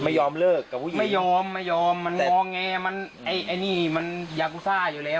ไม่ยอมเลิกกับผู้หญิงไม่ยอมมันมองแงอยู่แล้วมันยากูซ่าอยู่แล้ว